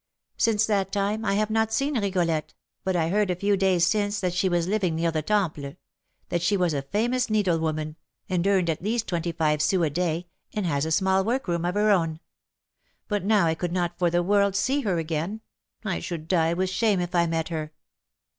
Since that time I have not seen Rigolette, but I heard a few days since that she was living near the Temple, that she was a famous needlewoman, and earned at least twenty five sous a day, and has a small workroom of her own; but now I could not for the world see her again, I should die with shame if I met her."